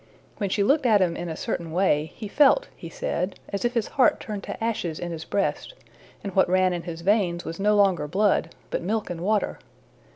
When she looked at him in a certain way, he felt, he said, as if his heart turned to ashes in his breast, and what ran in his veins was no longer blood, but milk and water.